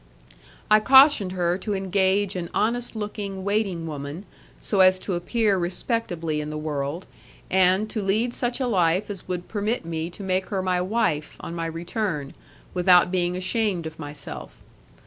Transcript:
I cautioned her to engage an honest looking waiting woman, so as to appear respectably in the world, and, to lead such a life as would permit me to make her my wife, on my return, without being ashamed of myself.